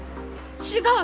違う！